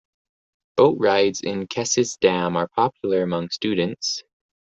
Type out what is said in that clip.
Boat rides in Kesses dam are popular among students.